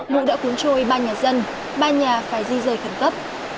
lũ đã cuốn trôi ba nhà dân ba nhà phải di rời khẩn cấp